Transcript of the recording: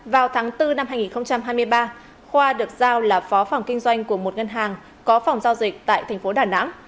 vào tháng bốn năm hai nghìn hai mươi ba khoa được giao là phó phòng kinh doanh của một ngân hàng có phòng giao dịch tại tp đà nẵng